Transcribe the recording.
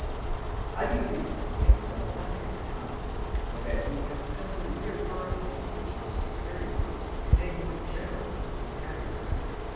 I believe that he has done nothing of the kind, but that he has simply reaffirmed the individual's experiences in a more generalized vocabulary.